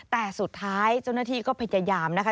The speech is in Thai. แต่สุดท้ายเจ้าหน้าที่ก็พยายามนะคะ